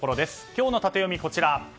今日のタテヨミはこちら。